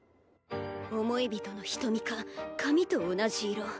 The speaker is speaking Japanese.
思い人の瞳か髪と同じ色。